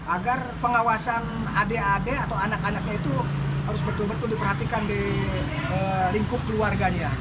agar pengawasan adik adik atau anak anaknya itu harus betul betul diperhatikan di lingkup keluarganya